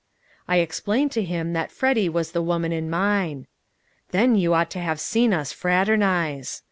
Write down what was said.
I explained to him that Freddy was the woman in mine. Then you ought to have seen us fraternize!